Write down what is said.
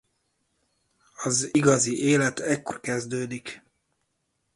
Az igazi élet ekkor kezdődik.